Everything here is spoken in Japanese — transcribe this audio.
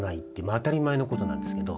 当たり前のことなんですけど。